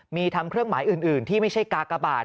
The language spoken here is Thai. มีทำเครื่องหมายอื่นที่ไม่ใช่กากบาท